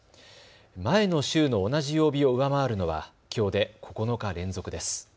前の週の同じ曜日を上回るのはきょうで９日連続です。